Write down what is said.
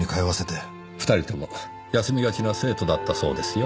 ２人とも休みがちな生徒だったそうですよ。